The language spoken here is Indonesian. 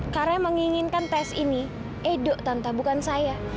karena yang menginginkan tes ini edo tante bukan saya